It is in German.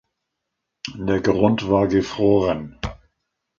Der Grund war gefroren.